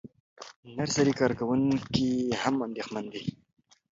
نرسري کارکوونکي هم اندېښمن دي.